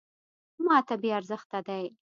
.ماته بې ارزښته دی .